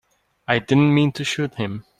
I didn't mean to shoot him.